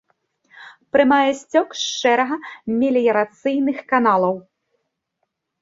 Прымае сцёк з шэрага меліярацыйных каналаў.